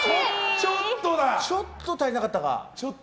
ちょっと足りなかったか。